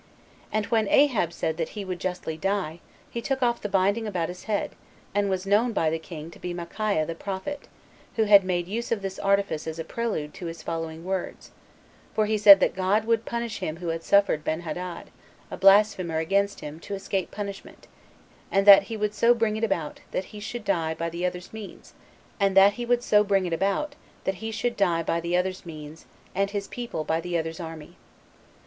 And when Ahab had said that he would justly die, he took off the binding about his head, and was known by the king to be Micaiah the prophet, who made use of this artifice as a prelude to his following words; for he said that God would punish him who had suffered Benhadad, a blasphemer against him, to escape punishment; and that he would so bring it about, that he should die by the other's means 41 and his people by the other's army.